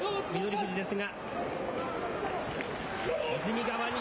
富士ですが。